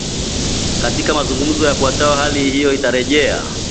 Katika mazungumzo yafuatayo hali hiyo inarejelewa